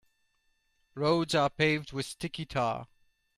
Roads are paved with sticky tar.